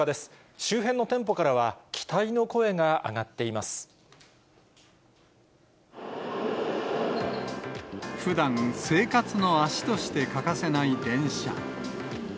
周辺の店舗からは期待の声が上がふだん、生活の足として欠かせない電車。